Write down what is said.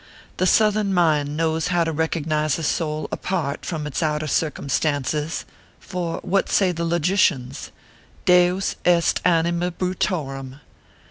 The Southern mind knows how to recognize a soul apart from its outer circum stances ; for what say the logicians ? Deus est anima brutorem!